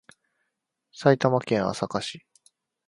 埼玉県朝霞市